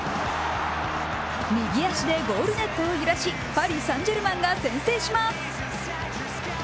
右足でゴールネットを揺らしパリ・サン＝ジェルマンが先制します。